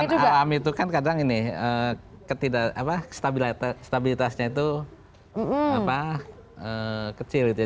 kalau bahan alam itu kan kadang ini ketidakstabilitasnya itu kecil gitu ya